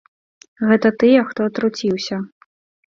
Гэта тыя, хто атруціўся.